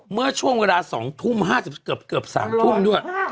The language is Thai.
เมื่อช่วงเวลา๒ทุ่ม๕เกือบ๓ทุ่มด้วย